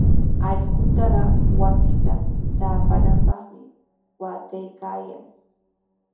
Allqutaqa wasita taapananpaqmi waataykaayan.